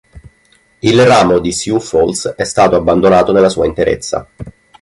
Il ramo di Sioux Falls è stato abbandonato nella sua interezza.